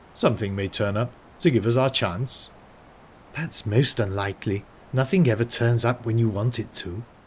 "Something may turn up, to give us our chance." "That's most unlikely nothing ever turns up when you want it to.